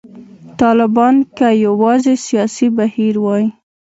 طالبان که یوازې سیاسي بهیر وای.